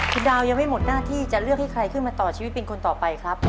คุณดาวยังไม่หมดหน้าที่จะเลือกให้ใครขึ้นมาต่อชีวิตเป็นคนต่อไปครับ